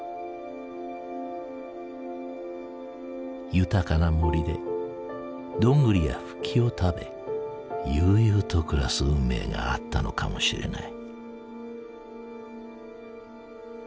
豊かな森でドングリやフキを食べ悠々と暮らす運命があったのかもしれない。